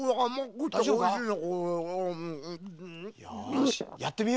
よしやってみようよ。